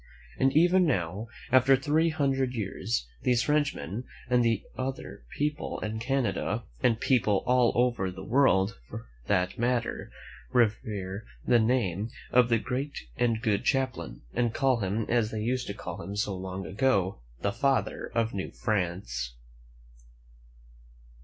And even now, after three hundred years, these Frenchmen, and other people in Canada, and people all over the world for that matter, revere the name of the great and good Champlain, and call him, as they used to call him so long ago, "The Father of New France."